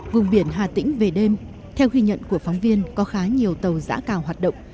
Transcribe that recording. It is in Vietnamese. vùng biển hà tĩnh về đêm theo ghi nhận của phóng viên có khá nhiều tàu giã cào hoạt động